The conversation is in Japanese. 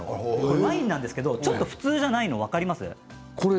ワインなんですけれど普通じゃないの、分かりますか。